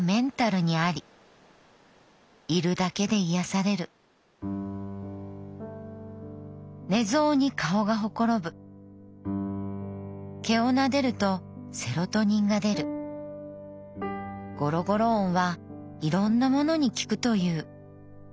いるだけで癒される寝相に顔がほころぶ毛をなでるとセロトニンが出るゴロゴロ音はいろんなものに効くという。